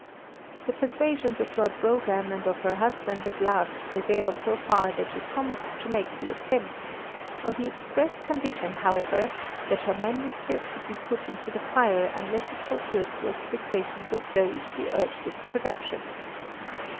The persuasions of Lord Brougham and of her husband at last prevailed so far that she promised to make the attempt; on the express condition, however, that her manuscript should be put into the fire unless it fulfilled the expectations of those who urged its production.